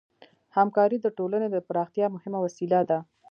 همکاري د ټولنې د پراختیا مهمه وسیله ده.